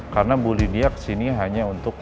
karena bu lydia kesini hanya untuk